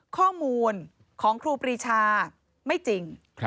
ข้อมูลของครูปรีชาไม่จริง